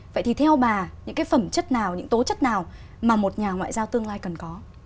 vậy thì theo bà những cái phẩm chất nào những tố chất nào mà một nhà ngoại giao tương lai cần có